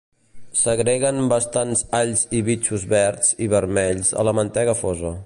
S'agreguen bastants alls i bitxos verds i vermells a la mantega fosa.